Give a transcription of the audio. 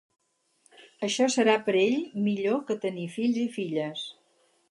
Això serà per a ell millor que tenir fills i filles.